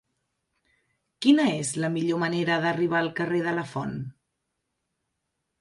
Quina és la millor manera d'arribar al carrer de Lafont?